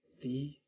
mas aku mau ke kamar